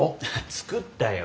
作ったよ。